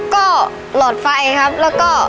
ก็หลอดไฟครับแล้วก็